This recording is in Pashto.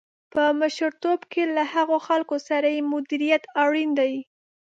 په مشرتوب کې له هغو خلکو سره یې مديريت اړين دی.